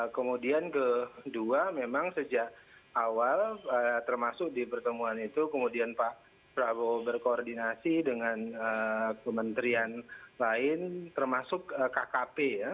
kemudian kedua memang sejak awal termasuk di pertemuan itu kemudian pak prabowo berkoordinasi dengan kementerian lain termasuk kkp ya